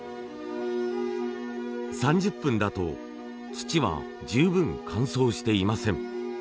３０分だと土は十分乾燥していません。